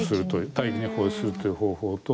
大気に放出するという方法と。